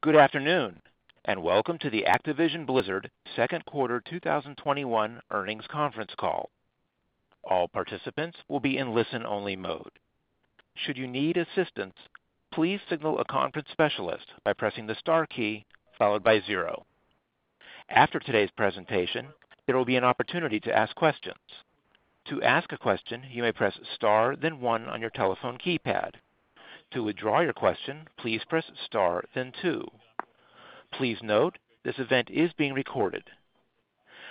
Good afternoon, and welcome to the Activision Blizzard second quarter 2021 earnings conference call. All participants will be in listen-only mode. Should need assistance please signal conference specialist by pressing star key followed by zero. After today's presentation, there will be an opportunity to ask questions. Please note, this event is being recorded.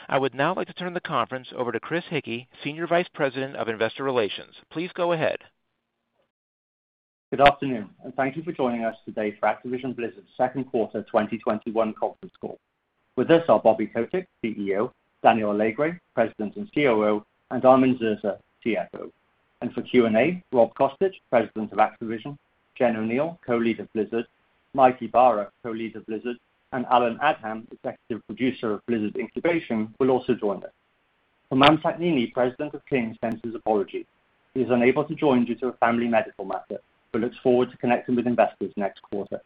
I would now like to turn the conference over to Chris Hickey, Senior Vice President of Investor Relations. Please go ahead. Good afternoon, and thank you for joining us today for Activision Blizzard's second quarter 2021 conference call. With us are Bobby Kotick, CEO, Daniel Alegre, President and COO, and Armin Zerza, CFO. For Q&A, Bobby Kotick, President of Activision, Jen Oneal, Co-Leader of Blizzard, Mike Ybarra, Co-Leader of Blizzard, and Allen Adham, Executive Producer of Blizzard Incubation will also join us. Humam Sakhnini, President of King, sends his apologies. He is unable to join due to a family medical matter but looks forward to connecting with investors next quarter.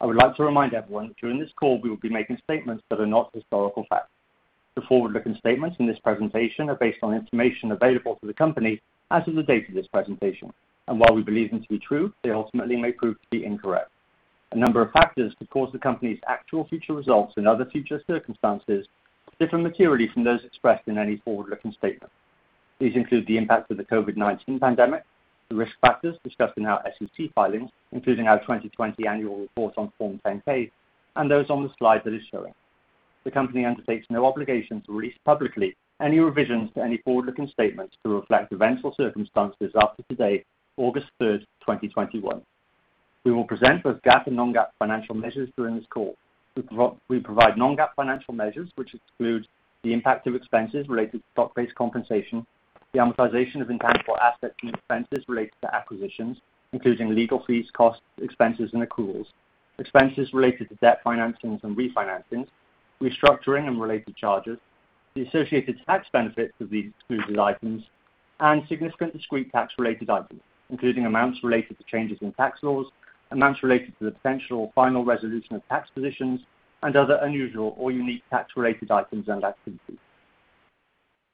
I would like to remind everyone that during this call, we will be making statements that are not historical facts. The forward-looking statements in this presentation are based on information available to the company as of the date of this presentation, and while we believe them to be true, they ultimately may prove to be incorrect. A number of factors could cause the company's actual future results and other future circumstances to differ materially from those expressed in any forward-looking statement. These include the impact of the COVID-19 pandemic, the risk factors discussed in our SEC filings, including our 2020 annual report on Form 10-K and those on the slide that is showing. The company undertakes no obligation to release publicly any revisions to any forward-looking statements to reflect events or circumstances after today, August 3rd, 2021. We will present both GAAP and non-GAAP financial measures during this call. We provide non-GAAP financial measures, which exclude the impact of expenses related to stock-based compensation, the amortization of intangible assets, and expenses related to acquisitions, including legal fees, costs, expenses, and accruals, expenses related to debt financings and refinancings, restructuring and related charges, the associated tax benefits of these excluded items, and significant discrete tax-related items, including amounts related to changes in tax laws, amounts related to the potential or final resolution of tax positions, and other unusual or unique tax-related items and activities.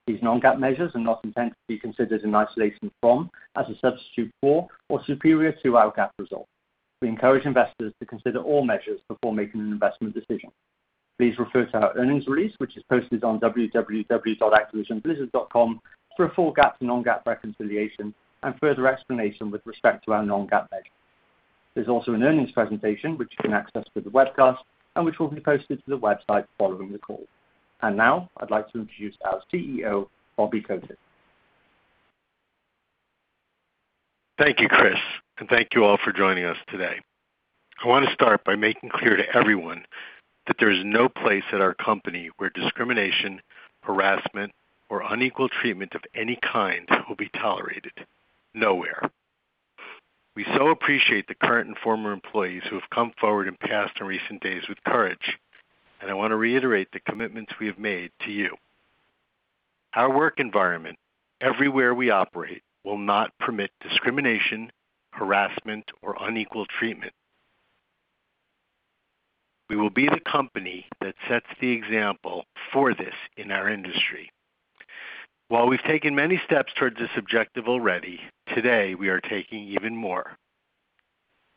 These non-GAAP measures are not intended to be considered in isolation from, as a substitute for, or superior to our GAAP results. We encourage investors to consider all measures before making an investment decision. Please refer to our earnings release, which is posted on www.activisionblizzard.com for a full GAAP to non-GAAP reconciliation and further explanation with respect to our non-GAAP measures. There's also an earnings presentation which you can access through the webcast and which will be posted to the website following the call. Now I'd like to introduce our CEO, Bobby Kotick. Thank you, Chris. Thank you all for joining us today. I want to start by making clear to everyone that there is no place at our company where discrimination, harassment, or unequal treatment of any kind will be tolerated. Nowhere. We so appreciate the current and former employees who have come forward in past and recent days with courage, and I want to reiterate the commitments we have made to you. Our work environment everywhere we operate will not permit discrimination, harassment, or unequal treatment. We will be the company that sets the example for this in our industry. While we've taken many steps towards this objective already, today we are taking even more.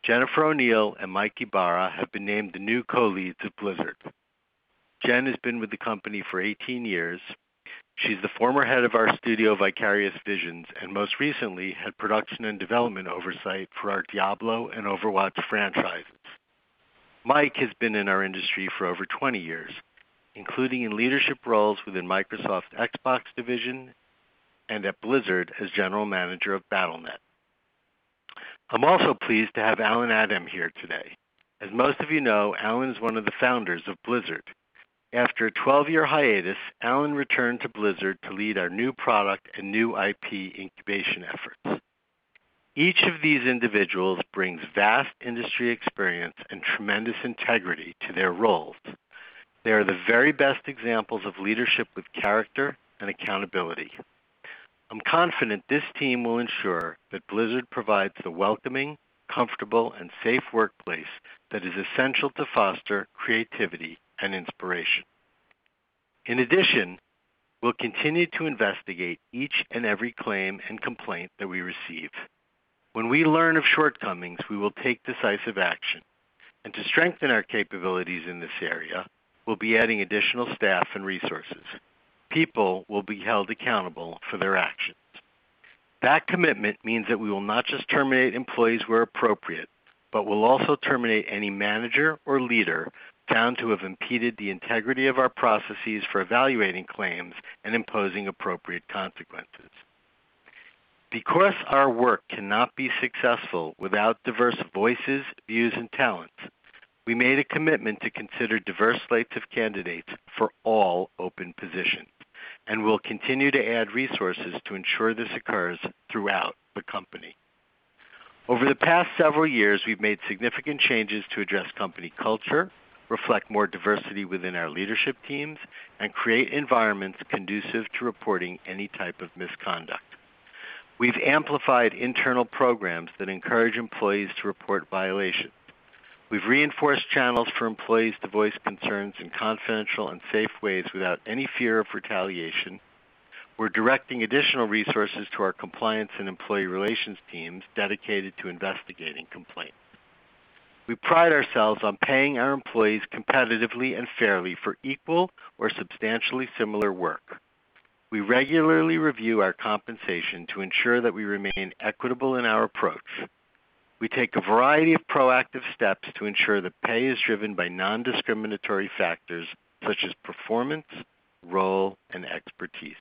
Jen Oneal and Mike Ybarra have been named the new co-leads of Blizzard. Jen has been with the company for 18 years. She's the former head of our studio Vicarious Visions, and most recently had production and development oversight for our Diablo and Overwatch franchises. Mike has been in our industry for over 20 years, including in leadership roles within Microsoft Xbox division and at Blizzard as General Manager of Battle.net. I'm also pleased to have Allen Adham here today. As most of you know, Allen's one of the founders of Blizzard. After a 12-year hiatus, Allen returned to Blizzard to lead our new product and new IP incubation efforts. Each of these individuals brings vast industry experience and tremendous integrity to their roles. They are the very best examples of leadership with character and accountability. I'm confident this team will ensure that Blizzard provides the welcoming, comfortable, and safe workplace that is essential to foster creativity and inspiration. In addition, we'll continue to investigate each and every claim and complaint that we receive. When we learn of shortcomings, we will take decisive action. To strengthen our capabilities in this area, we'll be adding additional staff and resources. People will be held accountable for their actions. That commitment means that we will not just terminate employees where appropriate, but will also terminate any manager or leader found to have impeded the integrity of our processes for evaluating claims and imposing appropriate consequences. Because our work cannot be successful without diverse voices, views, and talents, we made a commitment to consider diverse slates of candidates for all open positions, and we'll continue to add resources to ensure this occurs throughout the company. Over the past several years, we've made significant changes to address company culture, reflect more diversity within our leadership teams, and create environments conducive to reporting any type of misconduct. We've amplified internal programs that encourage employees to report violations. We've reinforced channels for employees to voice concerns in confidential and safe ways without any fear of retaliation. We're directing additional resources to our compliance and employee relations teams dedicated to investigating complaints. We pride ourselves on paying our employees competitively and fairly for equal or substantially similar work. We regularly review our compensation to ensure that we remain equitable in our approach. We take a variety of proactive steps to ensure that pay is driven by non-discriminatory factors such as performance, role, and expertise.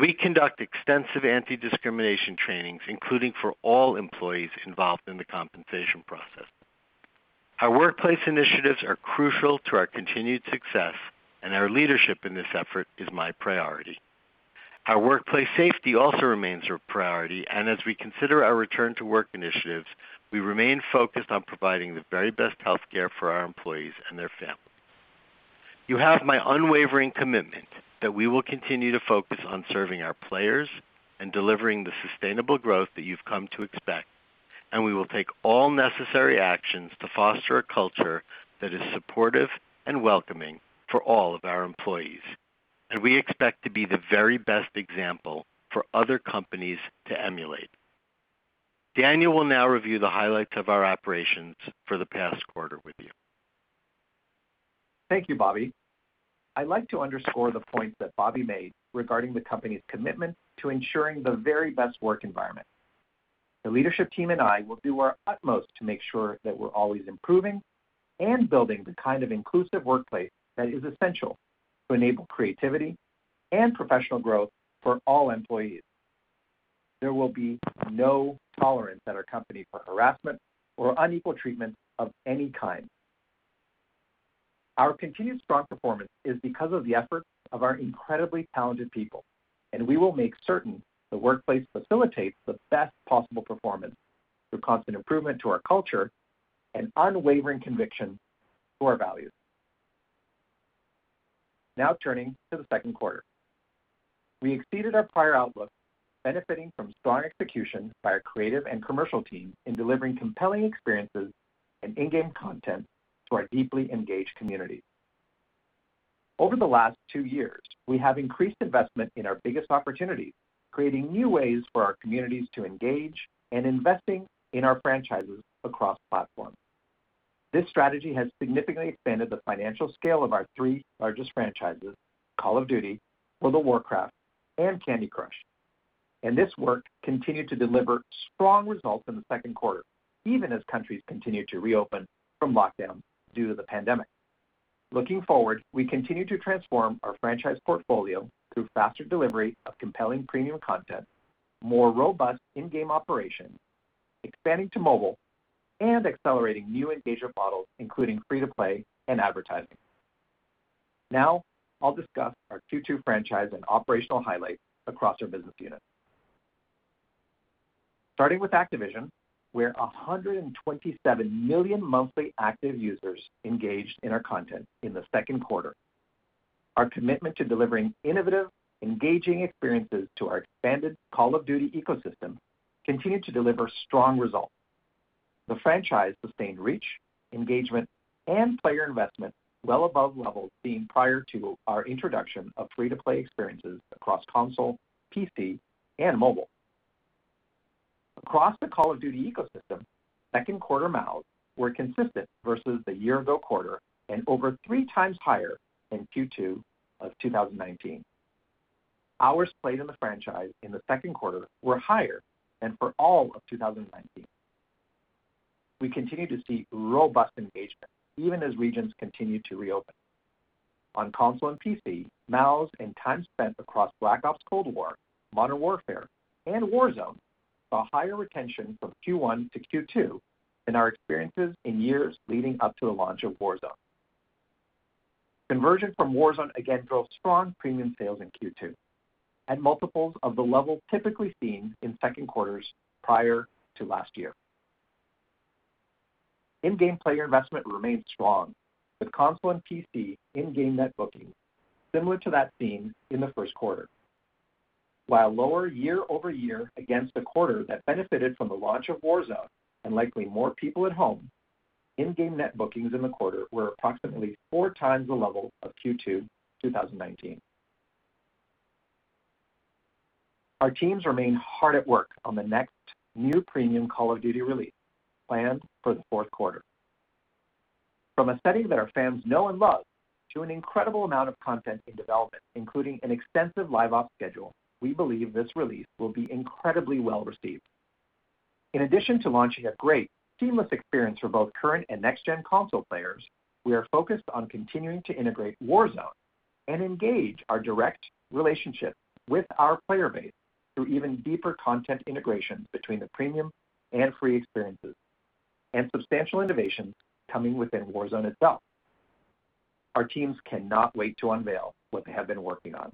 We conduct extensive anti-discrimination trainings, including for all employees involved in the compensation process. Our workplace initiatives are crucial to our continued success, and our leadership in this effort is my priority. Our workplace safety also remains a priority, and as we consider our return to work initiatives, we remain focused on providing the very best healthcare for our employees and their families. You have my unwavering commitment that we will continue to focus on serving our players and delivering the sustainable growth that you've come to expect, and we will take all necessary actions to foster a culture that is supportive and welcoming for all of our employees. We expect to be the very best example for other companies to emulate. Daniel will now review the highlights of our operations for the past quarter with you. Thank you, Bobby. I'd like to underscore the points that Bobby made regarding the company's commitment to ensuring the very best work environment. The leadership team and I will do our utmost to make sure that we're always improving and building the kind of inclusive workplace that is essential to enable creativity and professional growth for all employees. There will be no tolerance at our company for harassment or unequal treatment of any kind. Our continued strong performance is because of the efforts of our incredibly talented people, and we will make certain the workplace facilitates the best possible performance through constant improvement to our culture and unwavering conviction to our values. Now turning to the second quarter. We exceeded our prior outlook, benefiting from strong execution by our creative and commercial team in delivering compelling experiences and in-game content to our deeply engaged community. Over the last two years, we have increased investment in our biggest opportunities, creating new ways for our communities to engage and investing in our franchises across platforms. This strategy has significantly expanded the financial scale of our three largest franchises, Call of Duty, World of Warcraft, and Candy Crush. This work continued to deliver strong results in the second quarter, even as countries continued to reopen from lockdown due to the pandemic. Looking forward, we continue to transform our franchise portfolio through faster delivery of compelling premium content, more robust in-game operation, expanding to mobile, and accelerating new engagement models, including free-to-play and advertising. Now I'll discuss our Q2 franchise and operational highlights across our business units. Starting with Activision, where 127 million monthly active users engaged in our content in the second quarter. Our commitment to delivering innovative, engaging experiences to our expanded Call of Duty ecosystem continued to deliver strong results. The franchise sustained reach, engagement, and player investment well above levels seen prior to our introduction of free-to-play experiences across console, PC, and mobile. Across the Call of Duty ecosystem, second quarter MAUs were consistent versus the year-ago quarter and over three times higher than Q2 2019. Hours played in the franchise in the second quarter were higher than for all of 2019. We continue to see robust engagement even as regions continue to reopen. On console and PC, MAUs and time spent across Black Ops Cold War, Modern Warfare, and Warzone, saw higher retention from Q1 to Q2 than our experiences in years leading up to the launch of Warzone. Conversion from Warzone again drove strong premium sales in Q2 at multiples of the level typically seen in second quarters prior to last year. In-game player investment remained strong with console and PC in-game net booking similar to that seen in the first quarter. While lower year-over-year against the quarter that benefited from the launch of Warzone and likely more people at home, in-game net bookings in the quarter were approximately four times the level of Q2 2019. Our teams remain hard at work on the next new premium Call of Duty release planned for the fourth quarter. From a setting that our fans know and love to an incredible amount of content in development, including an extensive live ops schedule, we believe this release will be incredibly well-received. In addition to launching a great seamless experience for both current and next-gen console players, we are focused on continuing to integrate Warzone and engage our direct relationship with our player base through even deeper content integration between the premium and free experiences and substantial innovations coming within Warzone itself. Our teams cannot wait to unveil what they have been working on.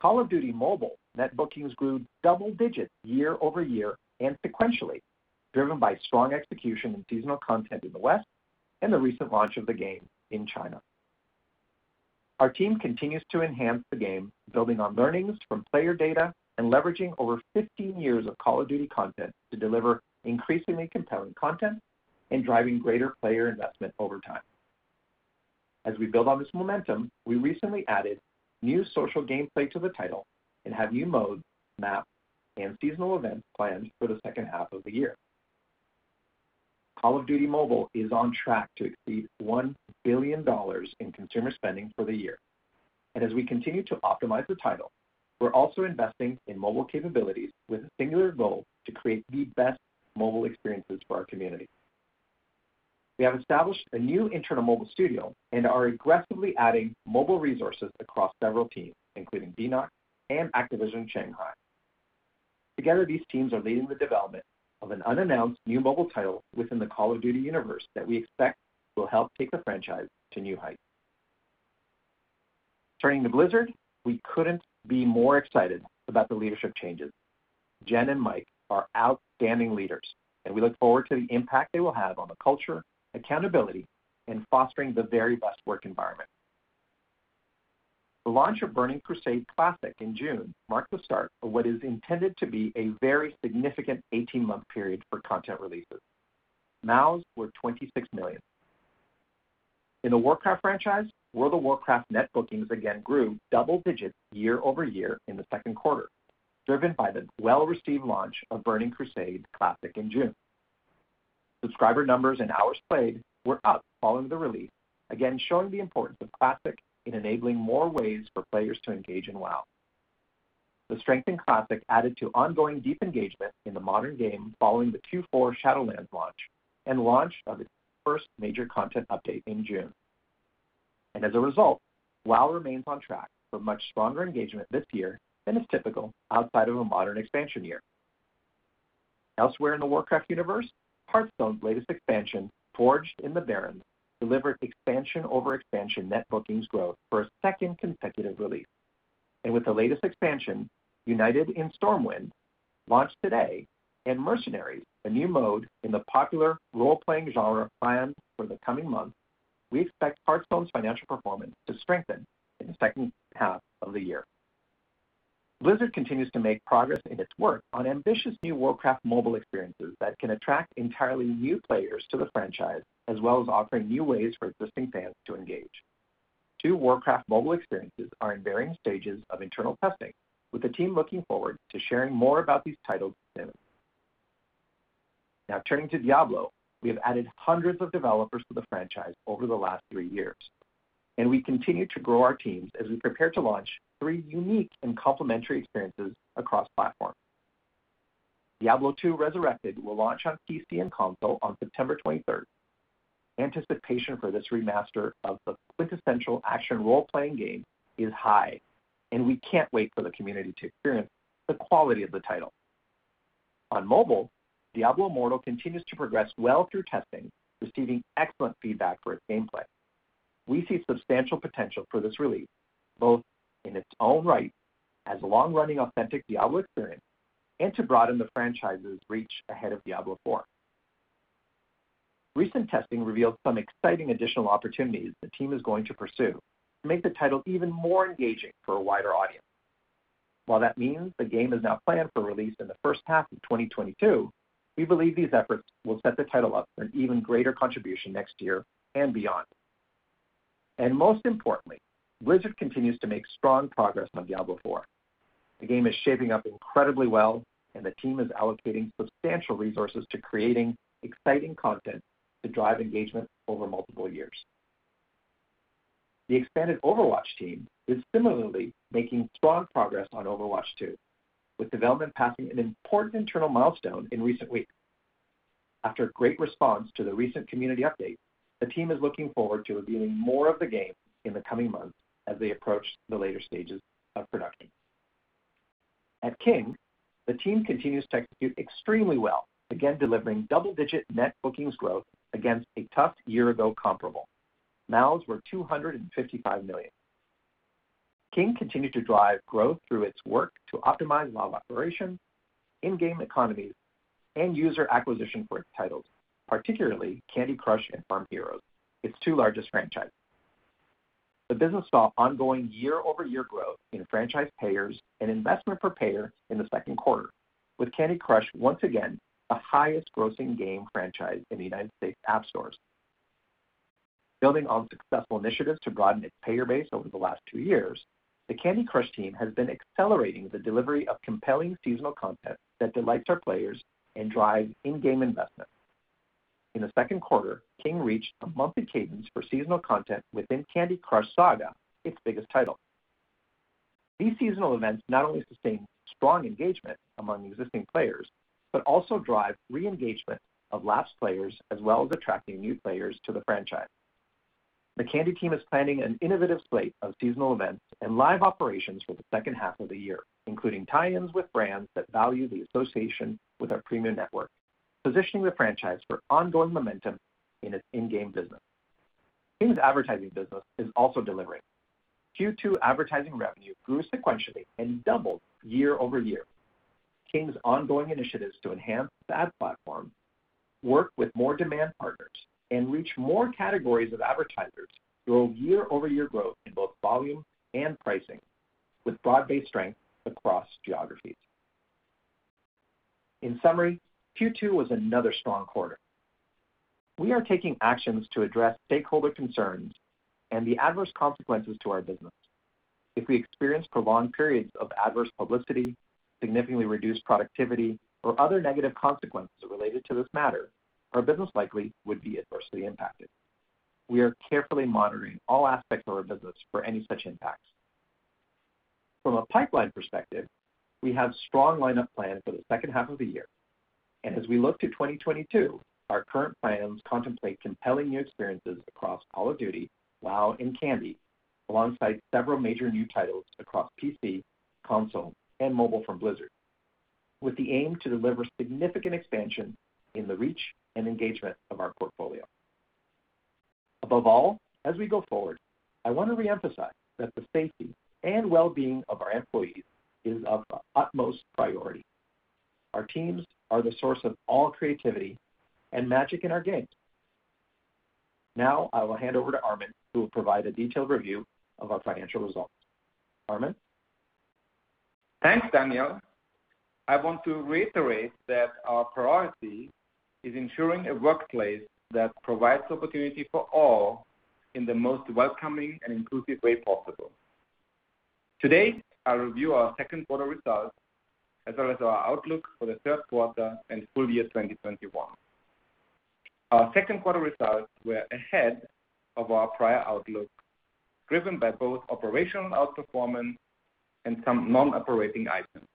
Call of Duty: Mobile net bookings grew double digits year-over-year and sequentially, driven by strong execution and seasonal content in the West. The recent launch of the game in China. Our team continues to enhance the game, building on learnings from player data and leveraging over 15 years of Call of Duty content to deliver increasingly compelling content and driving greater player investment over time. As we build on this momentum, we recently added new social gameplay to the title and have new modes, maps, and seasonal events planned for the second half of the year. Call of Duty: Mobile is on track to exceed $1 billion in consumer spending for the year. As we continue to optimize the title, we're also investing in mobile capabilities with a singular goal to create the best mobile experiences for our community. We have established a new internal mobile studio and are aggressively adding mobile resources across several teams, including Beenox and Activision Shanghai Studio. Together, these teams are leading the development of an unannounced new mobile title within the Call of Duty that we expect will help take the franchise to new heights. Turning to Blizzard, we couldn't be more excited about the leadership changes. Jen and Mike are outstanding leaders. We look forward to the impact they will have on the culture, accountability, and fostering the very best work environment. The launch of Burning Crusade Classic in June marked the start of what is intended to be a very significant 18-month period for content releases. MAUs were 26 million. In the Warcraft franchise, World of Warcraft net bookings again grew double digits year-over-year in the second quarter, driven by the well-received launch of Burning Crusade Classic in June. Subscriber numbers and hours played were up following the release, again showing the importance of Classic in enabling more ways for players to engage in WoW. The strength in Classic added to ongoing deep engagement in the modern game following the Q4 Shadowlands launch and launch of its first major content update in June. As a result, WoW remains on track for much stronger engagement this year than is typical outside of a modern expansion year. Elsewhere in the Warcraft universe, Hearthstone's latest expansion, Forged in the Barrens, delivered expansion-over-expansion net bookings growth for a second consecutive release. With the latest expansion, United in Stormwind, launched today, and Mercenaries, a new mode in the popular role-playing genre planned for the coming month, we expect Hearthstone's financial performance to strengthen in the second half of the year. Blizzard continues to make progress in its work on ambitious new Warcraft mobile experiences that can attract entirely new players to the franchise, as well as offering new ways for existing fans to engage. Two Warcraft mobile experiences are in varying stages of internal testing, with the team looking forward to sharing more about these titles soon. Turning to Diablo, we have added hundreds of developers to the franchise over the last three years. We continue to grow our teams as we prepare to launch three unique and complementary experiences across platforms. Diablo II: Resurrected will launch on PC and console on September 23rd. Anticipation for this remaster of the quintessential action role-playing game is high. We can't wait for the community to experience the quality of the title. On mobile, Diablo Immortal continues to progress well through testing, receiving excellent feedback for its gameplay. We see substantial potential for this release, both in its own right as a long-running, authentic Diablo experience and to broaden the franchise's reach ahead of Diablo IV. Recent testing revealed some exciting additional opportunities the team is going to pursue to make the title even more engaging for a wider audience. While that means the game is now planned for release in the first half of 2022, we believe these efforts will set the title up for an even greater contribution next year and beyond. Most importantly, Blizzard continues to make strong progress on Diablo IV. The game is shaping up incredibly well, and the team is allocating substantial resources to creating exciting content to drive engagement over multiple years. The expanded Overwatch team is similarly making strong progress on Overwatch 2, with development passing an important internal milestone in recent weeks. After a great response to the recent community update, the team is looking forward to revealing more of the game in the coming months as they approach the later stages of production. At King, the team continues to execute extremely well, again delivering double-digit net bookings growth against a tough year-ago comparable. MAUs were 255 million. King continued to drive growth through its work to optimize live operations, in-game economies, and user acquisition for its titles, particularly Candy Crush and Farm Heroes, its two largest franchises. The business saw ongoing year-over-year growth in franchise payers and investment per payer in the second quarter, with Candy Crush once again the highest grossing game franchise in the United States app stores. Building on successful initiatives to broaden its payer base over the last two years, the Candy Crush team has been accelerating the delivery of compelling seasonal content that delights our players and drives in-game investment. In the second quarter, King reached a monthly cadence for seasonal content within Candy Crush Saga, its biggest title. These seasonal events not only sustain strong engagement among existing players, but also drive re-engagement of lapsed players, as well as attracting new players to the franchise. The Candy team is planning an innovative slate of seasonal events and live operations for the second half of the year, including tie-ins with brands that value the association with our premium network, positioning the franchise for ongoing momentum in its in-game business. King's advertising business is also delivering. Q2 advertising revenue grew sequentially and doubled year-over-year. King's ongoing initiatives to enhance the ad platform, work with more demand partners, and reach more categories of advertisers drove year-over-year growth in both volume and pricing, with broad-based strength across geographies. In summary, Q2 was another strong quarter. We are taking actions to address stakeholder concerns and the adverse consequences to our business. If we experience prolonged periods of adverse publicity, significantly reduced productivity, or other negative consequences related to this matter, our business likely would be adversely impacted. We are carefully monitoring all aspects of our business for any such impacts. From a pipeline perspective, we have strong lineup plans for the second half of the year. As we look to 2022, our current plans contemplate compelling new experiences across Call of Duty, WoW, and Candy, alongside several major new titles across PC, console, and mobile from Blizzard, with the aim to deliver significant expansion in the reach and engagement of our portfolio. Above all, as we go forward, I want to reemphasize that the safety and well-being of our employees is of the utmost priority. Our teams are the source of all creativity and magic in our games. Now, I will hand over to Armin, who will provide a detailed review of our financial results. Armin. Thanks, Daniel. I want to reiterate that our priority is ensuring a workplace that provides opportunity for all in the most welcoming and inclusive way possible. Today, I'll review our second quarter results as well as our outlook for the third quarter and full year 2021. Our second quarter results were ahead of our prior outlook, driven by both operational outperformance and some non-operating items.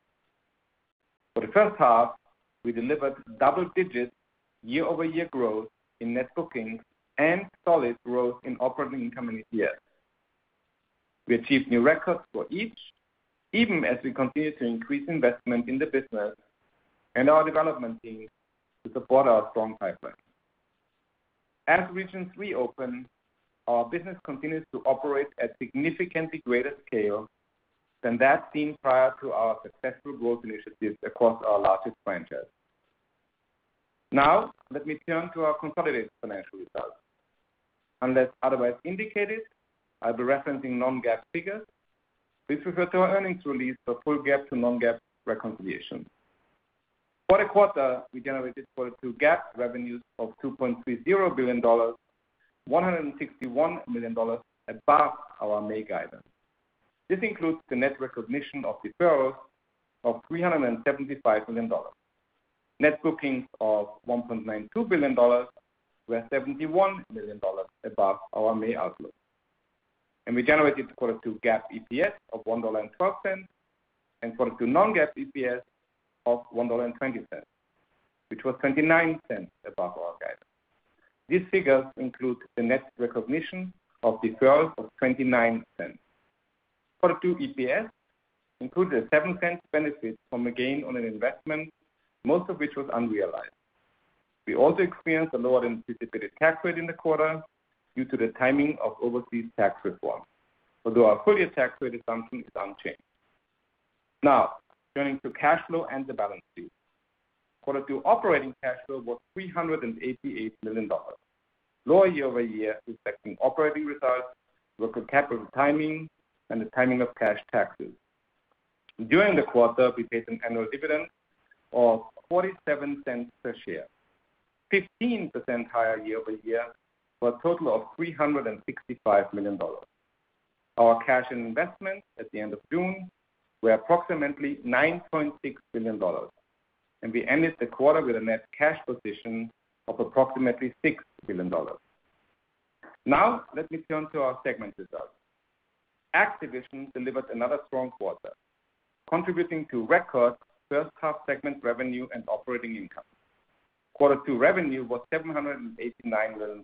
For the first half, we delivered double digits year-over-year growth in net bookings and solid growth in operating income and EPS. We achieved new records for each, even as we continue to increase investment in the business and our development team to support our strong pipeline. As regions reopen, our business continues to operate at significantly greater scale than that seen prior to our successful growth initiatives across our largest franchises. Let me turn to our consolidated financial results. Unless otherwise indicated, I'll be referencing non-GAAP figures. Please refer to our earnings release for full GAAP to non-GAAP reconciliation. For the quarter, we generated Q2 GAAP revenues of $2.30 billion, $161 million above our May guidance. This includes the net recognition of deferrals of $375 million. Net bookings of $1.92 billion were $71 million above our May outlook. We generated Q2 GAAP EPS of $1.12 and Q2 non-GAAP EPS of $1.20, which was $0.29 above our guidance. These figures include the net recognition of deferrals of $0.29. Q2 EPS included a $0.07 benefit from a gain on an investment, most of which was unrealized. We also experienced a lower-than-anticipated tax rate in the quarter due to the timing of overseas tax reform, although our full-year tax rate assumption is unchanged. Turning to cash flow and the balance sheet. Quarter two operating cash flow was $388 million, lower year-over-year reflecting operating results, working capital timing, and the timing of cash taxes. During the quarter, we paid an annual dividend of $0.47 per share, 15% higher year-over-year for a total of $365 million. Our cash and investments at the end of June were approximately $9.6 billion, and we ended the quarter with a net cash position of approximately $6 billion. Now, let me turn to our segment results. Activision delivered another strong quarter, contributing to record first half segment revenue and operating income. Quarter two revenue was $789 million.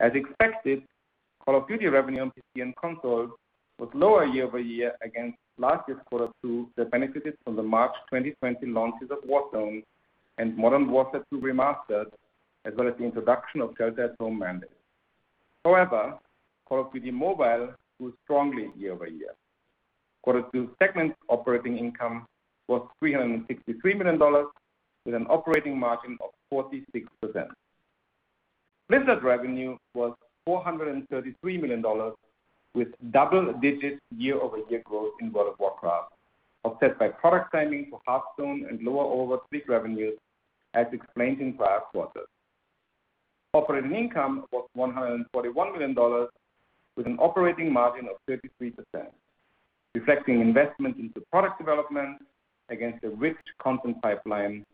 As expected, Call of Duty revenue on PC and console was lower year-over-year against last year's quarter two that benefited from the March 2020 launches of Warzone and Modern Warfare II Remastered, as well as the introduction of shelter-at-home mandates. Call of Duty: Mobile grew strongly year-over-year. Q2 segment operating income was $363 million, with an operating margin of 46%. Blizzard revenue was $433 million, with double-digit year-over-year growth in World of Warcraft, offset by product timing for Hearthstone and lower overseas revenues as explained in prior quarters. Operating income was $141 million with an operating margin of 33%, reflecting investment into product development against a rich content pipeline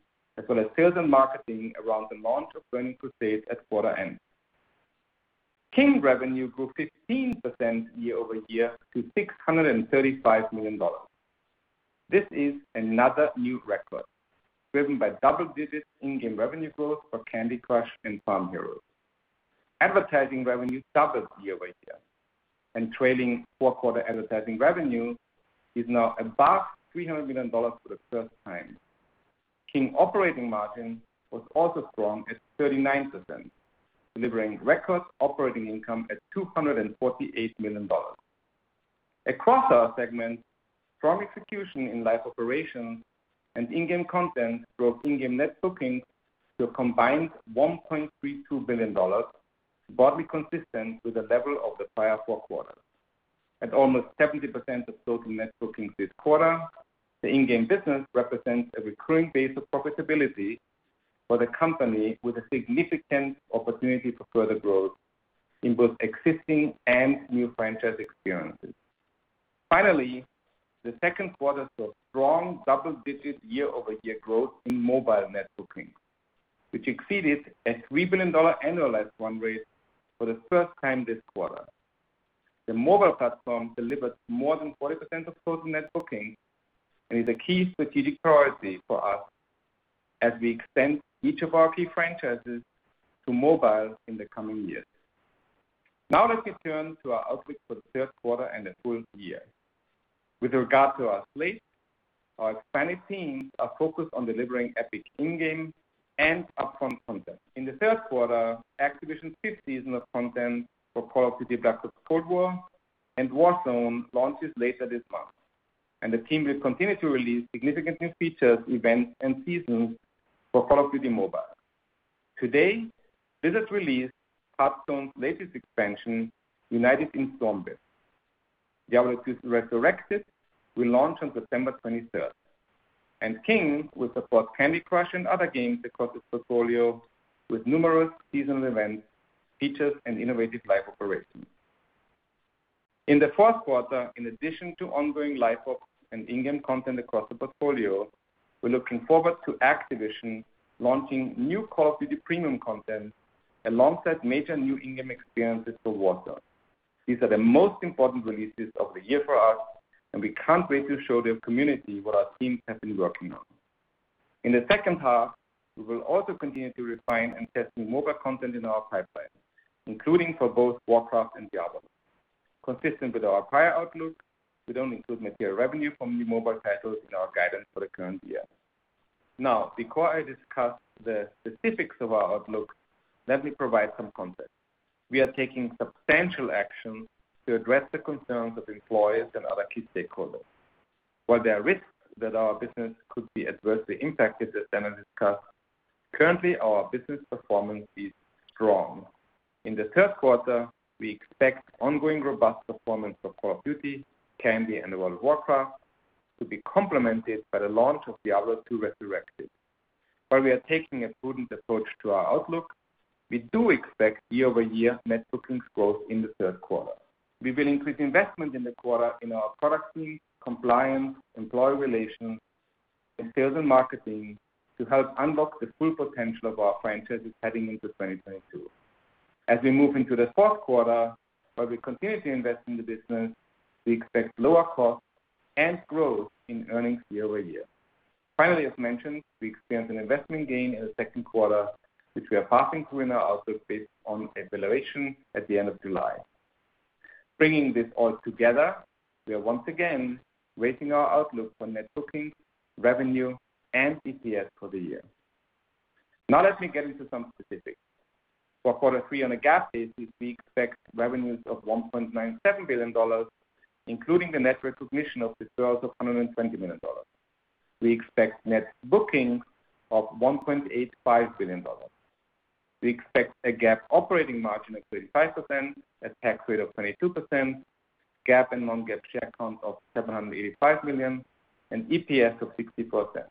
as well as sales and marketing around the launch of Burning Crusade at quarter end. King revenue grew 15% year-over-year to $635 million. This is another new record driven by double-digit in-game revenue growth for Candy Crush and Farm Heroes. Advertising revenue doubled year-over-year, trailing four-quarter advertising revenue is now above $300 million for the first time. King operating margin was also strong at 39%, delivering record operating income at $248 million. Across our segments, strong execution in live operations and in-game content drove in-game net bookings to a combined $1.32 billion, broadly consistent with the level of the prior four quarters. At almost 70% of total net bookings this quarter, the in-game business represents a recurring base of profitability for the company with a significant opportunity for further growth in both existing and new franchise experiences. Finally, the second quarter saw strong double-digit year-over-year growth in mobile net bookings, which exceeded a $3 billion annualized run rate for the first time this quarter. The mobile platform delivers more than 40% of total net bookings and is a key strategic priority for us as we extend each of our key franchises to mobile in the coming years. Let's return to our outlook for the third quarter and the full year. With regard to our slate, our expanded teams are focused on delivering epic in-game and upfront content. In the third quarter, Activision's fifth season of content for Call of Duty: Black Ops Cold War and Warzone launches later this month, and the team will continue to release significant new features, events, and seasons for Call of Duty: Mobile. Today, Blizzard released Hearthstone's latest expansion, United in Stormwind. Diablo II: Resurrected will launch on September 23rd, and King will support Candy Crush and other games across its portfolio with numerous seasonal events, features, and innovative live ops. In the fourth quarter, in addition to ongoing live ops and in-game content across the portfolio, we're looking forward to Activision launching new Call of Duty premium content alongside major new in-game experiences for Warzone. These are the most important releases of the year for us, and we can't wait to show the community what our teams have been working on. In the second half, we will also continue to refine and test new mobile content in our pipeline, including for both Warcraft and Diablo. Consistent with our prior outlook, we don't include material revenue from new mobile titles in our guidance for the current year. Now, before I discuss the specifics of our outlook, let me provide some context. We are taking substantial actions to address the concerns of employees and other key stakeholders. While there are risks that our business could be adversely impacted, as Daniel Alegre discussed, currently our business performance is strong. In the third quarter, we expect ongoing robust performance for Call of Duty, Candy Crush, and World of Warcraft to be complemented by the launch of Diablo II: Resurrected. While we are taking a prudent approach to our outlook, we do expect year-over-year net bookings growth in the third quarter. We will increase investment in the quarter in our product teams, compliance, employee relations, and sales and marketing to help unlock the full potential of our franchises heading into 2022. As we move into the fourth quarter, while we continue to invest in the business, we expect lower costs and growth in earnings year-over-year. Finally, as mentioned, we experienced an investment gain in the second quarter, which we are passing through in our outlook based on a valuation at the end of July. Bringing this all together, we are once again raising our outlook for net bookings, revenue, and EPS for the year. Now let me get into some specifics. For quarter three on a GAAP basis, we expect revenues of $1.97 billion, including the net recognition of deferrals of $120 million. We expect net bookings of $1.85 billion. We expect a GAAP operating margin of 35%, a tax rate of 22%, GAAP and non-GAAP share count of 785 million, and EPS of $0.64.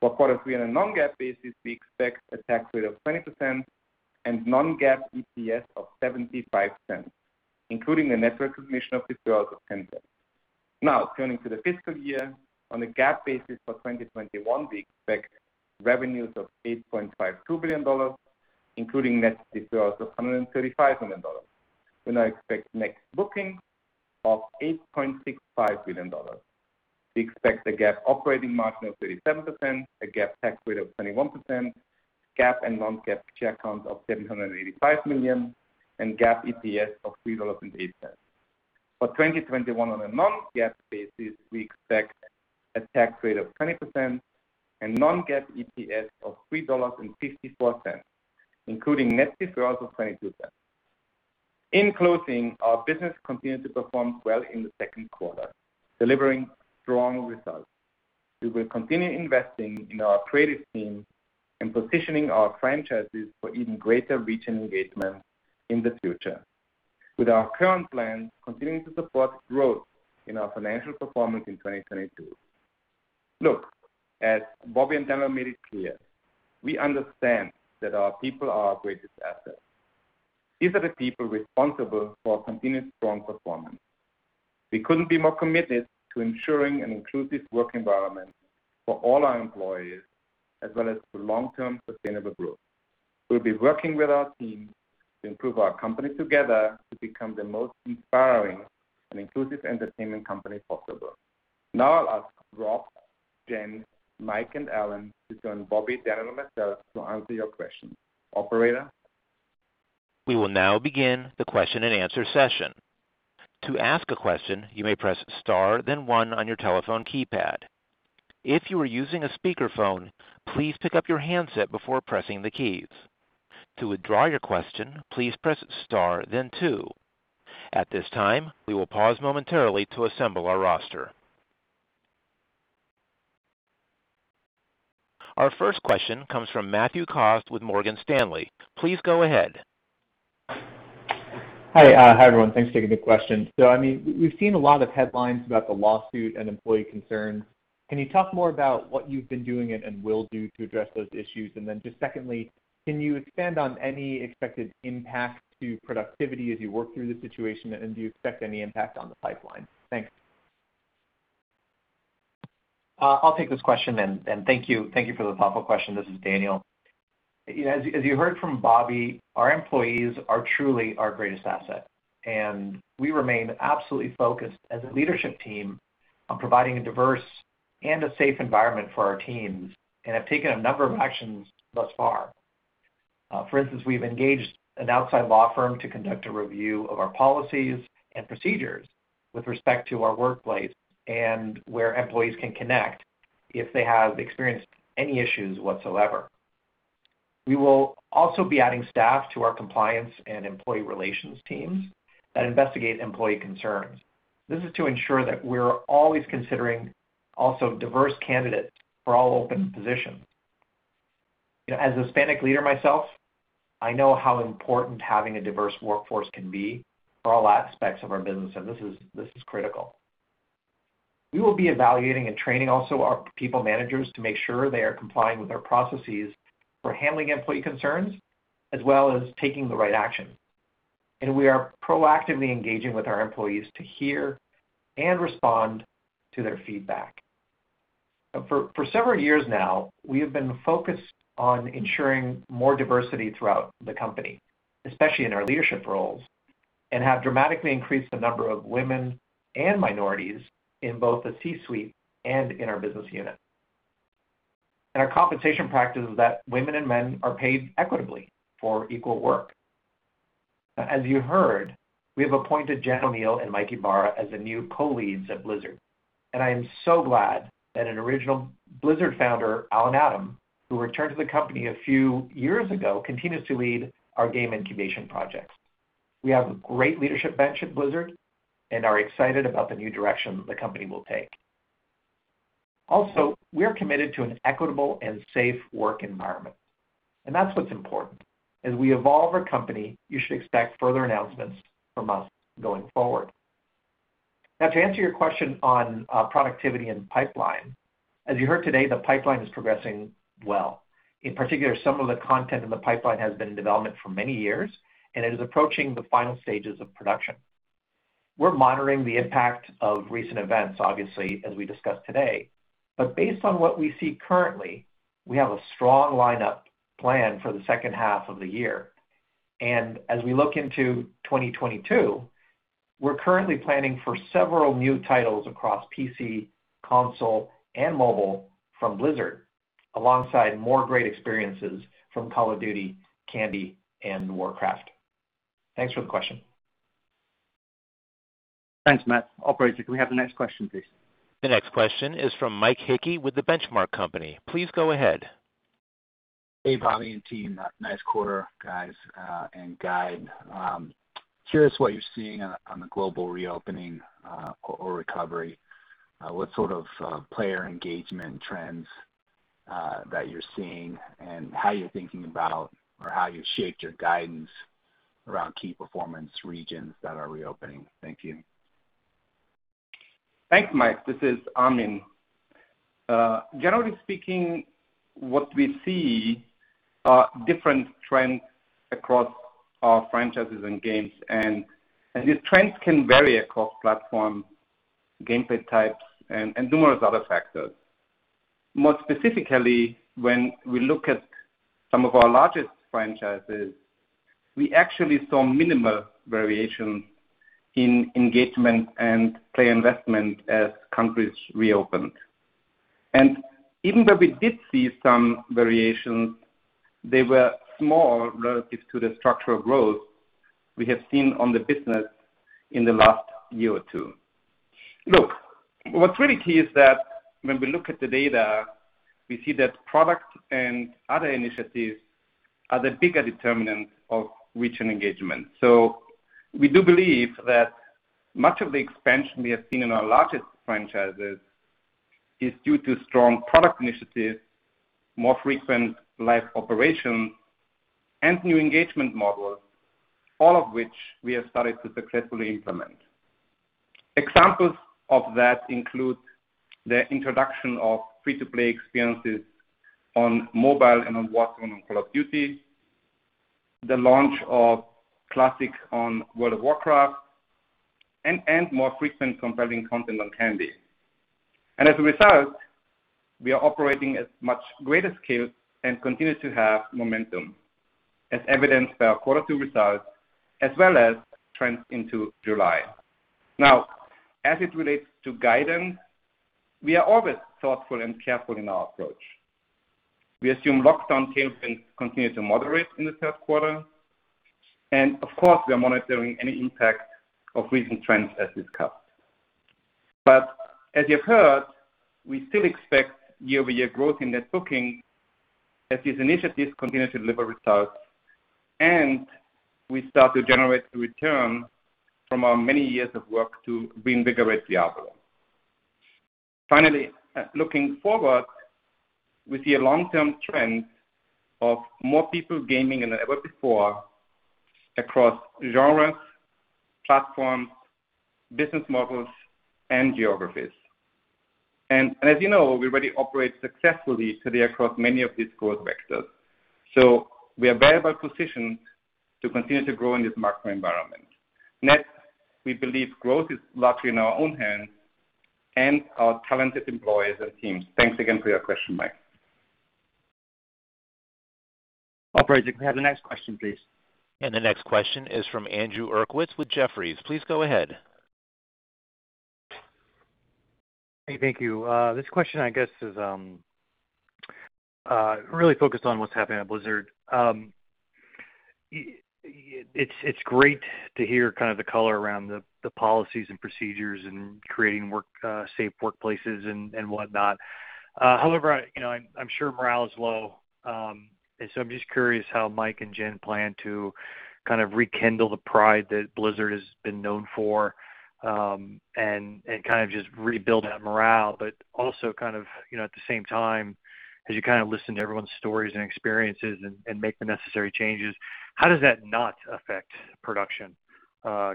For quarter three on a non-GAAP basis, we expect a tax rate of 20% and non-GAAP EPS of $0.75, including the net recognition of deferrals of $0.10. Now, turning to the fiscal year on a GAAP basis for 2021, we expect revenues of $8.52 billion, including net deferrals of $135 million. We now expect net bookings of $8.65 billion. We expect a GAAP operating margin of 37%, a GAAP tax rate of 21%, GAAP and non-GAAP share count of 785 million, and GAAP EPS of $3.08. For 2021 on a non-GAAP basis, we expect a tax rate of 20% and non-GAAP EPS of $3.54, including net deferrals of $0.22. In closing, our business continued to perform well in the second quarter, delivering strong results. We will continue investing in our creative teams and positioning our franchises for even greater reach and engagement in the future, with our current plans continuing to support growth in our financial performance in 2022. Look, as Bobby and Daniel made it clear, we understand that our people are our greatest asset. These are the people responsible for our continued strong performance. We couldn't be more committed to ensuring an inclusive work environment for all our employees, as well as for long-term sustainable growth. We'll be working with our teams to improve our company together to become the most inspiring and inclusive entertainment company possible. Now I'll ask Rob, Jen, Mike, and Allen to join Bobby, Daniel, and myself to answer your questions. Operator We will now begin question-and-answer session to ask question you may press star and one on your telephone keypad If you are using speaker phone please pick up your handset before pressing keys. To withdraw your question please press star and two at this time we will pause momentarily to assemble our roster. Our first question comes from Matthew Cost with Morgan Stanley. Please go ahead. Hi, everyone. Thanks for taking the question. We've seen a lot of headlines about the lawsuit and employee concerns. Can you talk more about what you've been doing and will do to address those issues? Then just secondly, can you expand on any expected impact to productivity as you work through the situation, and do you expect any impact on the pipeline? Thanks. I'll take this question. Thank you for the thoughtful question. This is Daniel Alegre. As you heard from Bobby Kotick, our employees are truly our greatest asset. We remain absolutely focused as a leadership team on providing a diverse and a safe environment for our teams. We have taken a number of actions thus far. For instance, we've engaged an outside law firm to conduct a review of our policies and procedures with respect to our workplace. Employees can connect if they have experienced any issues whatsoever. We will also be adding staff to our compliance and employee relations teams that investigate employee concerns. This is to ensure that we're always considering also diverse candidates for all open positions. As a Hispanic leader myself, I know how important having a diverse workforce can be for all aspects of our business. This is critical. We will be evaluating and training also our people managers to make sure they are complying with our processes for handling employee concerns, as well as taking the right action. We are proactively engaging with our employees to hear and respond to their feedback. For several years now, we have been focused on ensuring more diversity throughout the company, especially in our leadership roles, and have dramatically increased the number of women and minorities in both the C-suite and in our business unit. Our compensation practice is that women and men are paid equitably for equal work. As you heard, we have appointed Jen Oneal and Mike Ybarra as the new co-leads at Blizzard. I am so glad that an original Blizzard founder, Allen Adham, who returned to the company a few years ago, continues to lead our game incubation projects. We have a great leadership bench at Blizzard and are excited about the new direction the company will take. We are committed to an equitable and safe work environment, and that's what's important. As we evolve our company, you should expect further announcements from us going forward. To answer your question on productivity and pipeline, as you heard today, the pipeline is progressing well. In particular, some of the content in the pipeline has been in development for many years, and it is approaching the final stages of production. We're monitoring the impact of recent events, obviously, as we discussed today. Based on what we see currently, we have a strong lineup planned for the second half of the year. As we look into 2022, we're currently planning for several new titles across PC, console, and mobile from Blizzard, alongside more great experiences from Call of Duty, Candy, and Warcraft. Thanks for the question. Thanks, Matt. Operator, can we have the next question, please? The next question is from Mike Hickey with The Benchmark Company. Please go ahead. Hey, Bobby and team. Nice quarter, guys, and guide. Curious what you're seeing on the global reopening or recovery, what sort of player engagement trends that you're seeing, and how you're thinking about or how you shaped your guidance around key performance regions that are reopening? Thank you. Thanks, Mike. This is Armin. Generally speaking, what we see are different trends across our franchises and games. These trends can vary across platform, gameplay types, and numerous other factors. More specifically, when we look at some of our largest franchises, we actually saw minimal variation in engagement and play investment as countries reopened. Even where we did see some variations, they were small relative to the structural growth we have seen on the business in the last one or two. Look, what's really key is that when we look at the data, we see that product and other initiatives are the bigger determinant of reach and engagement. We do believe that much of the expansion we have seen in our largest franchises is due to strong product initiatives, more frequent live operations, and new engagement models, all of which we have started to successfully implement. Examples of that include the introduction of free-to-play experiences on mobile and on Warzone on Call of Duty, the launch of Classic on World of Warcraft, and more frequent compelling content on Candy. As a result, we are operating at much greater scale and continue to have momentum, as evidenced by our Quarter two results as well as trends into July. Now, as it relates to guidance, we are always thoughtful and careful in our approach. We assume lockdown tailwinds continue to moderate in the third quarter. Of course, we are monitoring any impact of recent trends as discussed. As you've heard, we still expect year-over-year growth in net bookings as these initiatives continue to deliver results, and we start to generate a return from our many years of work to reinvigorate Diablo. Finally, looking forward, we see a long-term trend of more people gaming than ever before across genres, platforms, business models, and geographies. As you know, we already operate successfully today across many of these growth vectors. We are very well positioned to continue to grow in this macro environment. Net, we believe growth is largely in our own hands and our talented employees and teams. Thanks again for your question, Mike. Operator, can we have the next question, please? The next question is from Andrew Uerkwitz with Jefferies. Please go ahead. Hey, thank you. This question, I guess, is really focused on what's happening at Blizzard. It's great to hear kind of the color around the policies and procedures and creating safe workplaces and whatnot. However, I'm sure morale is low. I'm just curious how Mike and Jen plan to rekindle the pride that Blizzard has been known for, and just rebuild that morale, but also at the same time, as you listen to everyone's stories and experiences and make the necessary changes, how does that not affect production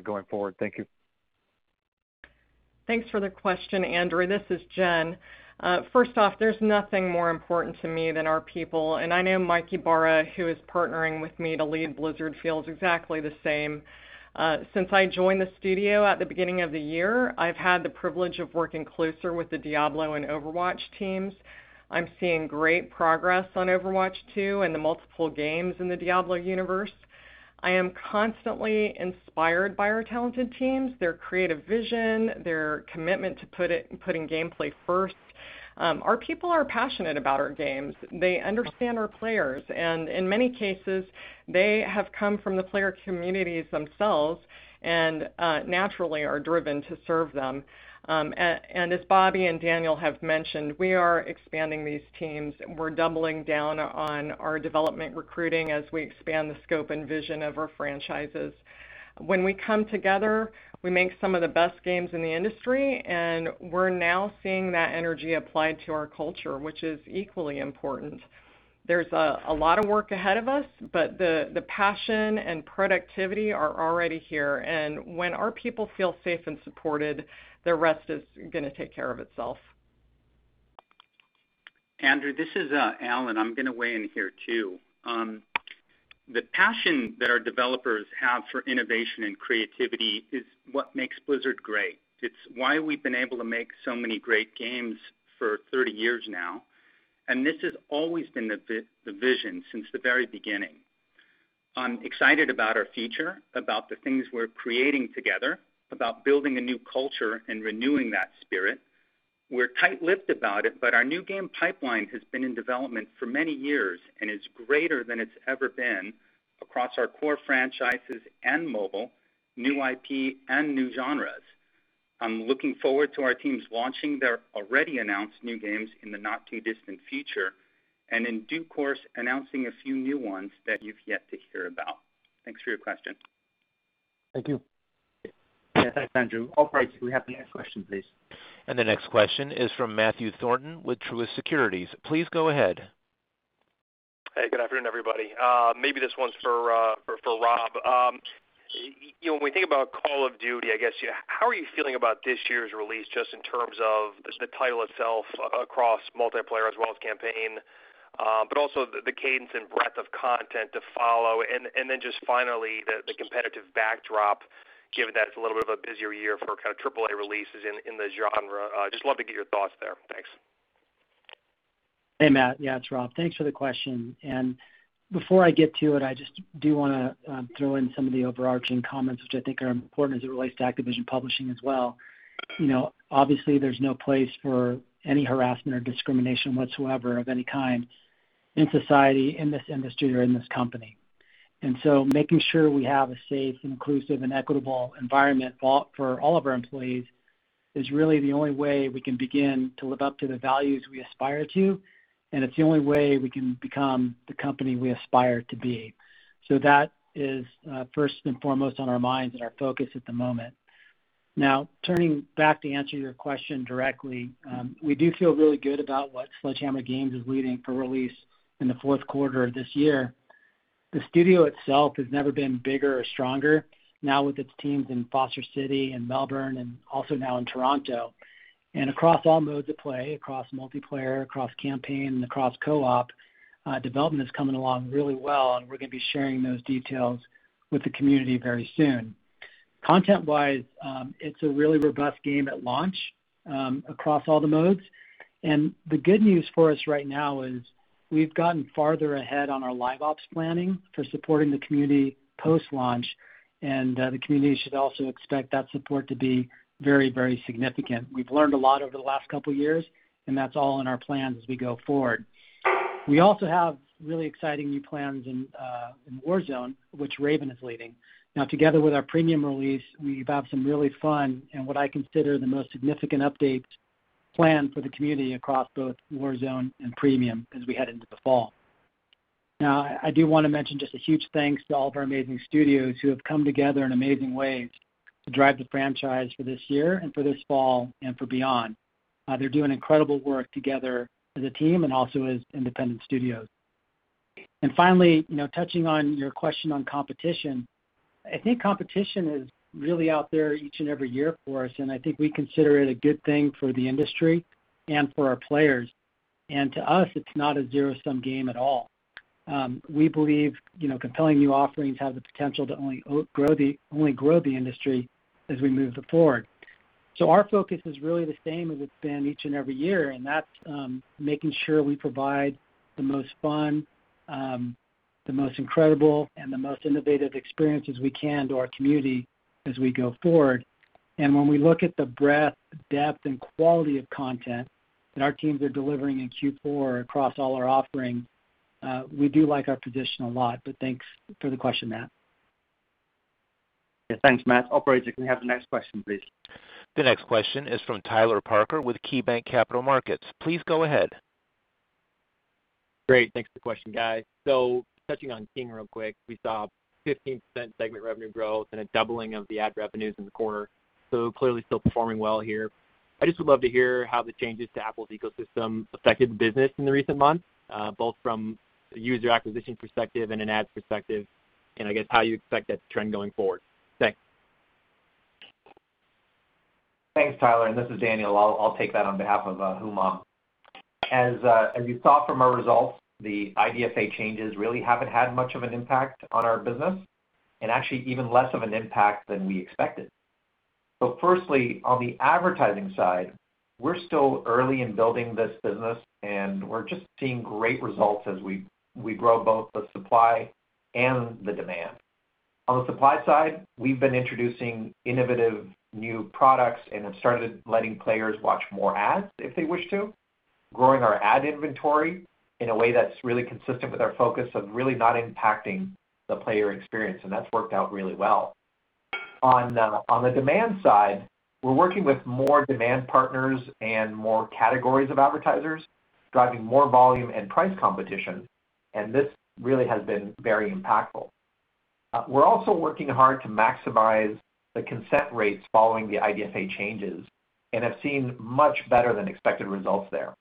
going forward? Thank you. Thanks for the question, Andrew. This is Jen. First off, there's nothing more important to me than our people. I know Mike Ybarra, who is partnering with me to lead Blizzard, feels exactly the same. Since I joined the studio at the beginning of the year, I've had the privilege of working closer with the Diablo and Overwatch teams. I'm seeing great progress on Overwatch 2 and the multiple games in the Diablo universe. I am constantly inspired by our talented teams, their creative vision, their commitment to putting gameplay first. Our people are passionate about our games. They understand our players, and in many cases, they have come from the player communities themselves and naturally are driven to serve them. As Bobby and Daniel have mentioned, we are expanding these teams. We're doubling down on our development recruiting as we expand the scope and vision of our franchises. When we come together, we make some of the best games in the industry, and we're now seeing that energy applied to our culture, which is equally important. There's a lot of work ahead of us, but the passion and productivity are already here, and when our people feel safe and supported, the rest is going to take care of itself. Andrew, this is Allen. I'm going to weigh in here too. The passion that our developers have for innovation and creativity is what makes Blizzard great. It's why we've been able to make so many great games for 30 years now. This has always been the vision since the very beginning. I'm excited about our future, about the things we're creating together, about building a new culture and renewing that spirit. We're tight-lipped about it. Our new game pipeline has been in development for many years and is greater than it's ever been across our core franchises and mobile, new IP and new genres. I'm looking forward to our teams launching their already announced new games in the not-too-distant future. In due course, announcing a few new ones that you've yet to hear about. Thanks for your question. Thank you. Yes, thanks, Andrew. Operator, can we have the next question, please? The next question is from Matthew Thornton with Truist Securities. Please go ahead. Hey, good afternoon, everybody. Maybe this one's for Rob. When we think about Call of Duty, I guess, how are you feeling about this year's release, just in terms of the title itself across multiplayer as well as campaign, also the cadence and breadth of content to follow? Just finally, the competitive backdrop, given that it's a little bit of a busier year for kind of AAA releases in the genre. Just love to get your thoughts there. Thanks. Hey, Matt. Yeah, it's Rob. Thanks for the question. Before I get to it, I just do want to throw in some of the overarching comments, which I think are important as it relates to Activision Publishing as well. Obviously, there's no place for any harassment or discrimination whatsoever of any kind in society, in this industry or in this company. Making sure we have a safe, inclusive, and equitable environment for all of our employees is really the only way we can begin to live up to the values we aspire to, and it's the only way we can become the company we aspire to be. That is first and foremost on our minds and our focus at the moment. Turning back to answer your question directly, we do feel really good about what Sledgehammer Games is leading for release in the fourth quarter of this year. The studio itself has never been bigger or stronger, now with its teams in Foster City and Melbourne and also now in Toronto. Across all modes of play, across multiplayer, across campaign, and across co-op, development is coming along really well, and we're going to be sharing those details with the community very soon. Content-wise, it's a really robust game at launch across all the modes. The good news for us right now is we've gotten farther ahead on our live ops planning for supporting the community post-launch, and the community should also expect that support to be very, very significant. We've learned a lot over the last couple of years, and that's all in our plans as we go forward. We also have really exciting new plans in Warzone, which Raven is leading. Together with our premium release, we've got some really fun and what I consider the most significant updates planned for the community across both Warzone and Premium as we head into the fall. I do want to mention just a huge thanks to all of our amazing studios who have come together in amazing ways to drive the franchise for this year and for this fall and for beyond. They're doing incredible work together as a team and also as independent studios. Finally, touching on your question on competition, I think competition is really out there each and every year for us, and I think we consider it a good thing for the industry and for our players. To us, it's not a zero-sum game at all. We believe compelling new offerings have the potential to only grow the industry as we move forward. Our focus is really the same as it's been each and every year, that's making sure we provide the most fun, the most incredible, and the most innovative experiences we can to our community as we go forward. When we look at the breadth, depth, and quality of content that our teams are delivering in Q4 across all our offerings, we do like our [traditional lot]. Thanks for the question, Matt. Yeah. Thanks, Matt. Operator, can we have the next question, please? The next question is from Tyler Parker with KeyBanc Capital Markets. Please go ahead. Great. Thanks for the question, guys. Touching on King real quick, we saw a 15% segment revenue growth and a doubling of the ad revenues in the quarter. Clearly still performing well here. I just would love to hear how the changes to Apple's ecosystem affected the business in the recent months, both from a user acquisition perspective and an ads perspective, and I guess how you expect that to trend going forward. Thanks. Thanks, Tyler. This is Daniel. I'll take that on behalf of Humam. As you saw from our results, the IDFA changes really haven't had much of an impact on our business and actually even less of an impact than we expected. Firstly, on the advertising side, we're still early in building this business and we're just seeing great results as we grow both the supply and the demand. On the supply side, we've been introducing innovative new products and have started letting players watch more ads if they wish to, growing our ad inventory in a way that's really consistent with our focus of really not impacting the player experience. That's worked out really well. On the demand side, we're working with more demand partners and more categories of advertisers, driving more volume and price competition, and this really has been very impactful. We're also working hard to maximize the consent rates following the IDFA changes and have seen much better than expected results there.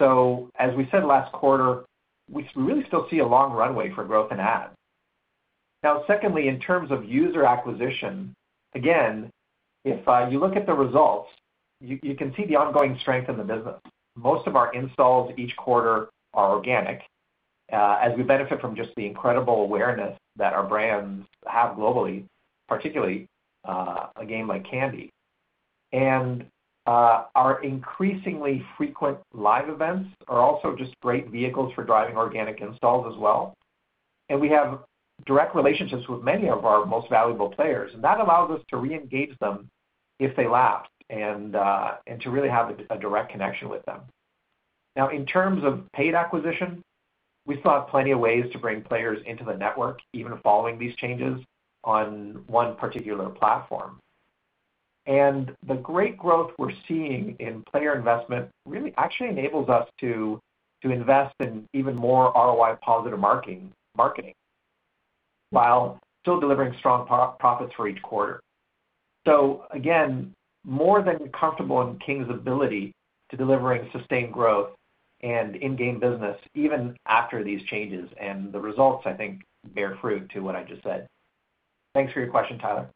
As we said last quarter, we really still see a long runway for growth in ads. Secondly, in terms of user acquisition, again, if you look at the results, you can see the ongoing strength in the business. Most of our installs each quarter are organic, as we benefit from just the incredible awareness that our brands have globally, particularly a game like Candy. Our increasingly frequent live events are also just great vehicles for driving organic installs as well. We have direct relationships with many of our most valuable players, and that allows us to re-engage them if they lapsed and to really have a direct connection with them. Now, in terms of paid acquisition, we still have plenty of ways to bring players into the network, even following these changes on one particular platform. The great growth we're seeing in player investment really actually enables us to invest in even more ROI-positive marketing while still delivering strong profits for each quarter. Again, more than comfortable in King's ability to delivering sustained growth and in-game business even after these changes. The results, I think, bear fruit to what I just said. Thanks for your question, Tyler.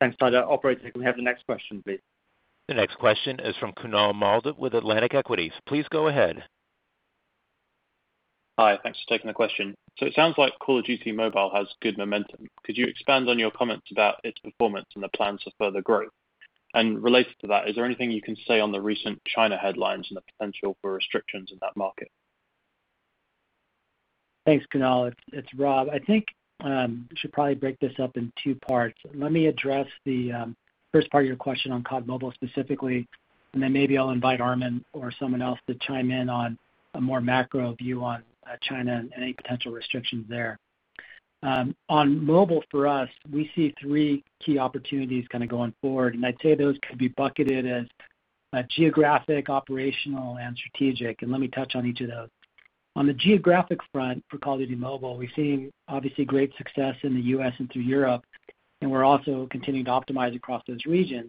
Thanks, Tyler. Operator, can we have the next question, please? The next question is from Kunaal Malde with Atlantic Equities. Please go ahead. Hi. Thanks for taking the question. It sounds like Call of Duty: Mobile has good momentum. Could you expand on your comments about its performance and the plans for further growth? Related to that, is there anything you can say on the recent China headlines and the potential for restrictions in that market? Thanks, Kunaal. It's Bobby. I think we should probably break this up in two parts. Let me address the first part of your question on COD Mobile specifically, then maybe I'll invite Armin or someone else to chime in on a more macro view on China and any potential restrictions there. On mobile for us, we see three key opportunities going forward, I'd say those could be bucketed as geographic, operational, and strategic. Let me touch on each of those. On the geographic front for Call of Duty Mobile, we're seeing obviously great success in the U.S. and through Europe, we're also continuing to optimize across those regions.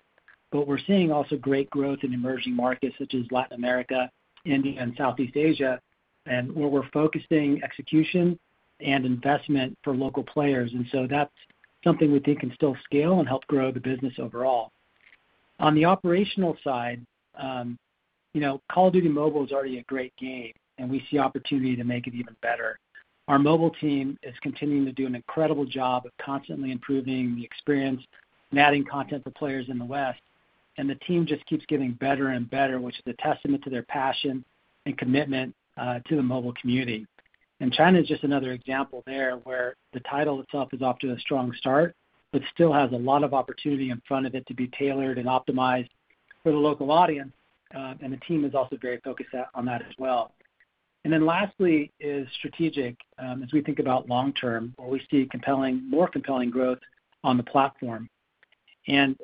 We're seeing also great growth in emerging markets such as Latin America, India, and Southeast Asia, where we're focusing execution and investment for local players. That's something we think can still scale and help grow the business overall. On the operational side, Call of Duty: Mobile is already a great game, and we see opportunity to make it even better. Our mobile team is continuing to do an incredible job of constantly improving the experience and adding content for players in the West, and the team just keeps getting better and better, which is a testament to their passion and commitment to the mobile community. China is just another example there, where the title itself is off to a strong start, but still has a lot of opportunity in front of it to be tailored and optimized for the local audience, and the team is also very focused on that as well. Lastly is strategic. As we think about long-term, where we see more compelling growth on the platform.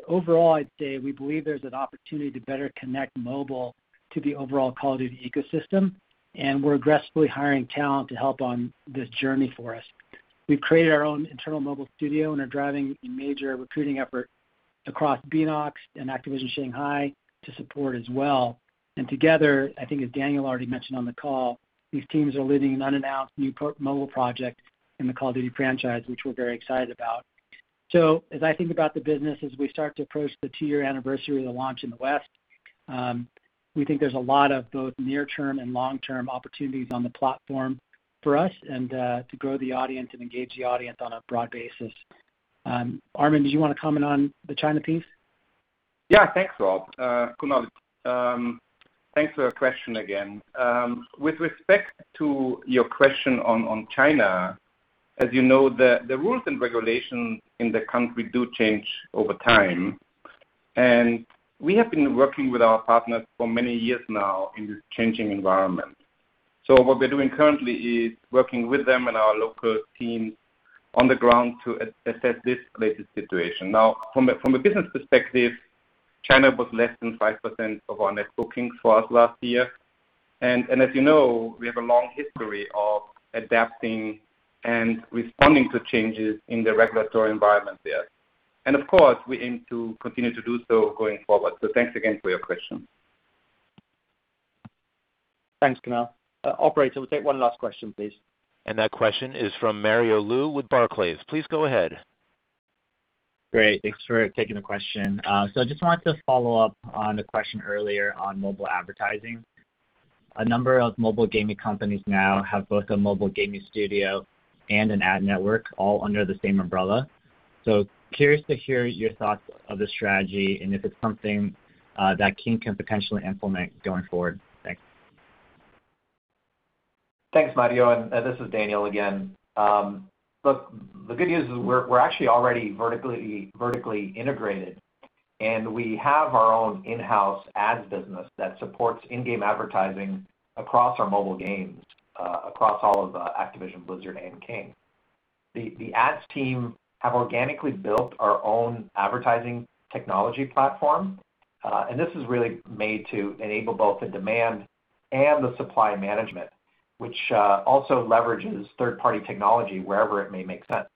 Overall, I'd say we believe there's an opportunity to better connect mobile to the overall Call of Duty ecosystem, and we're aggressively hiring talent to help on this journey for us. We've created our own internal mobile studio and are driving a major recruiting effort across Beenox and Activision Shanghai to support as well. Together, I think as Daniel already mentioned on the call, these teams are leading an unannounced new mobile project in the Call of Duty franchise, which we're very excited about. As I think about the business, as we start to approach the two-year anniversary of the launch in the West, we think there's a lot of both near-term and long-term opportunities on the platform for us and to grow the audience and engage the audience on a broad basis. Armin, did you want to comment on the China piece? Yeah. Thanks, Rob. Kunaal, thanks for your question again. With respect to your question on China, as you know, the rules and regulations in the country do change over time, and we have been working with our partners for many years now in this changing environment. What we're doing currently is working with them and our local teams on the ground to assess this latest situation. Now, from a business perspective, China was less than 5% of our net bookings for us last year. As you know, we have a long history of adapting and responding to changes in the regulatory environment there. Of course, we aim to continue to do so going forward. Thanks again for your question. Thanks, Kunaal. Operator, we'll take one last question, please. That question is from Mario Lu with Barclays. Please go ahead. Great. Thanks for taking the question. I just wanted to follow up on the question earlier on mobile advertising. A number of mobile gaming companies now have both a mobile gaming studio and an ad network all under the same umbrella. Curious to hear your thoughts of the strategy and if it's something that King can potentially implement going forward. Thanks. Thanks, Mario. This is Daniel again. Look, the good news is we're actually already vertically integrated, and we have our own in-house ads business that supports in-game advertising across our mobile games, across all of Activision Blizzard and King. The ads team have organically built our own advertising technology platform, and this is really made to enable both the demand and the supply management, which also leverages third-party technology wherever it may make sense.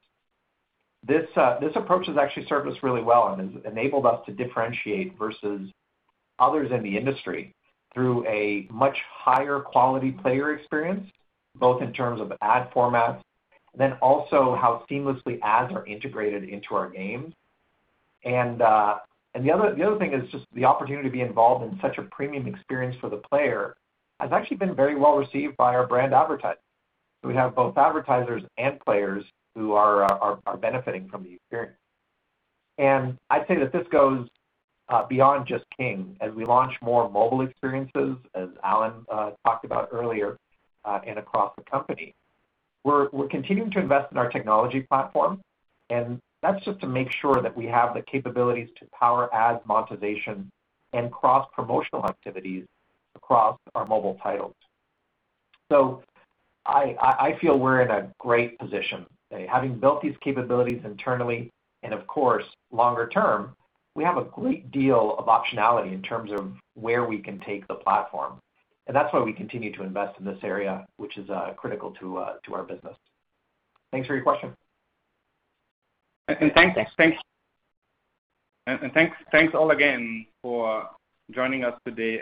This approach has actually served us really well and has enabled us to differentiate versus others in the industry through a much higher quality player experience, both in terms of ad formats and then also how seamlessly ads are integrated into our games. The other thing is just the opportunity to be involved in such a premium experience for the player has actually been very well received by our brand advertisers. We have both advertisers and players who are benefiting from the experience. I'd say that this goes beyond just King. As we launch more mobile experiences, as Allen Adham talked about earlier and across the company, we're continuing to invest in our technology platform, and that's just to make sure that we have the capabilities to power ads monetization and cross-promotional activities across our mobile titles. I feel we're in a great position. Having built these capabilities internally, and of course, longer term, we have a great deal of optionality in terms of where we can take the platform. That's why we continue to invest in this area, which is critical to our business. Thanks for your question. Thanks, all again, for joining us today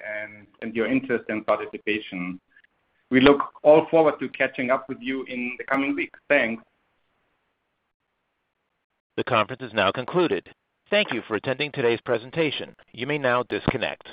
and your interest and participation. We look all forward to catching up with you in the coming weeks. Thanks. The conference is now concluded. Thank you for attending today's presentation. You may now disconnect.